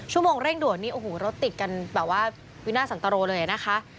โมงเร่งด่วนนี่โอ้โหรถติดกันแบบว่าวินาสันตรโรเลยนะคะ